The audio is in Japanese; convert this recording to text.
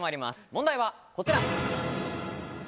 問題は、こちら。